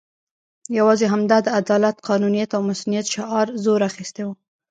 یوازې همدا د عدالت، قانونیت او مصونیت شعار زور اخستی وو.